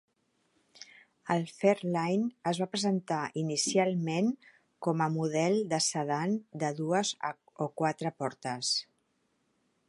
El Fairlane es va presentar inicialment com a model de sedan de dues o quatre portes.